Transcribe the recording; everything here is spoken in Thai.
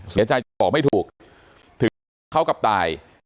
เสียใจบอกไม่ถูกถึงเขากับตาย